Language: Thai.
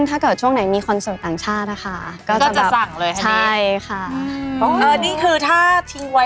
แล้วคนไทยละคนไทยชอบอะไร